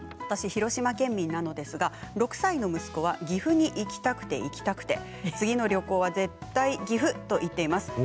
私、広島県民なのですが６歳の息子は岐阜に行きたくて、行きたくて次の旅行は絶対岐阜と言っています。